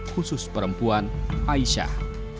khusus perempuan aisyah